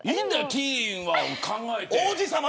ティーンは考えて。